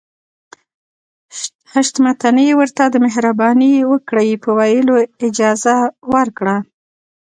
حشمتي ورته د مهرباني وکړئ په ويلو اجازه ورکړه.